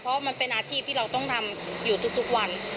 เพราะมันเป็นอาชีพที่เราต้องทำอยู่ทุกวัน